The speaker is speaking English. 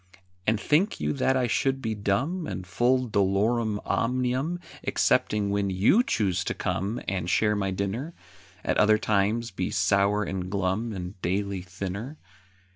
And think you that I should be dumb, And full dolorum omnium, Excepting when you choose to come And share my dinner? At other times be sour and glum And daily thinner?